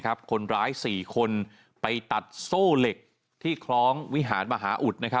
คนร้าย๔คนไปตัดโซ่เหล็กที่คล้องวิหารมหาอุด